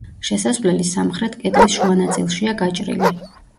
შესასვლელი სამხრეთ კედლის შუა ნაწილშია გაჭრილი.